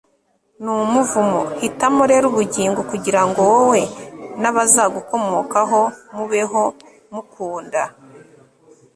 n'umuvumo. hitamo rero ubugingo kugira ngo wowe n'abazagukomokaho mubeho, mukunda